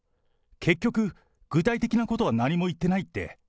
結局、具体的なことは何も言ってないって。